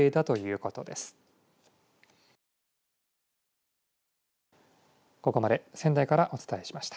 ここまで仙台からお伝えしました。